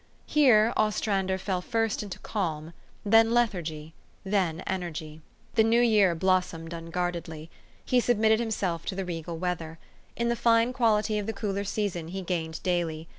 Here Ostrander fell first into calm, then lethargy, then energy. The new year blossomed unguardedly. He sub mitted himself to the regal weather. In the fine quality of the cooler season he gained daily.